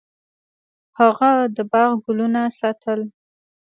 هغه د باغ ګلونه ساتل.